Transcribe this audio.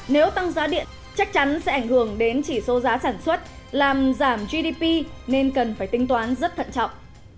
nếu tăng giá điện chắc chắn sẽ ảnh hưởng đến chỉ số giá sản xuất làm giảm gdp nên cần phải tính toán rất thận trọng